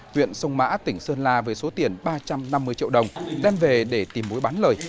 huyện sông mã tỉnh sơn la với số tiền ba trăm năm mươi triệu đồng đem về để tìm mối bán lời